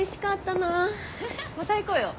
また行こうよ。